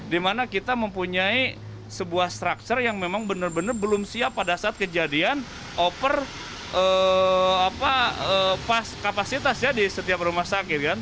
dimana kita mempunyai sebuah structure yang memang benar benar belum siap pada saat kejadian over kapasitas ya di setiap rumah sakit kan